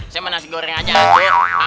saya mau nasi goreng aja